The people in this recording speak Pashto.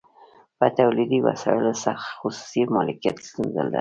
په تولیدي وسایلو خصوصي مالکیت ستونزه ده